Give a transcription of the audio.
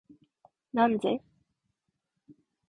なんぜ？